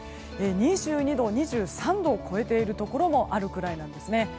２２度、２３度を超えているところもあるくらいなんですね。